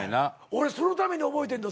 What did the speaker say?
俺そのために覚えてんど